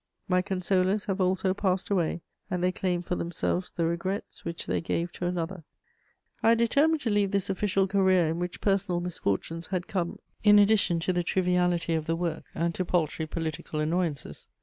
My consolers have also passed away, and they claim for themselves the regrets which they gave to another. * [Sidenote: My grief.] I had determined to leave this official career in which personal misfortunes had come in addition to the triviality of the work and to paltry political annoyances.